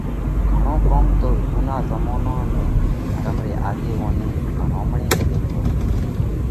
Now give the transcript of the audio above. گھڻو ڪوم تو زُونا زمونا ۾ ڌرم ري آڳيووني ڀرومڻي ڪريوت پرو